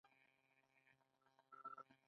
د کارمندانو کاري سویه لوړیږي.